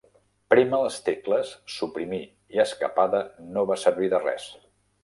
Prémer les tecles suprimir i escapada no va servir de res.